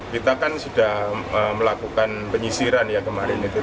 kita kan sudah melakukan penyisiran ya kemarin itu